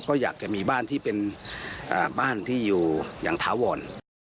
ก็อยากจะมีบ้านที่เป็นบ้านที่อยู่อย่างถาวร